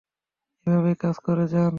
এভাবেই কাজ করে যান।